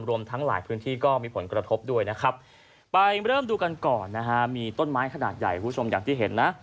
รวมทั้งหลายพื้นที่ก็มีผลกระทบด้วยนะครับไปเริ่มดูกันก่อนนะฮะมีต้นไม้ขนาดใหญ่คุณผู้ชมอย่างที่เห็นนะ